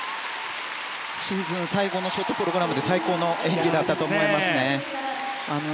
シーズン最後のショートプログラムで最高の演技だったと思いますね。